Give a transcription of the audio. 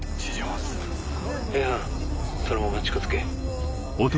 Ａ班そのまま近づけ。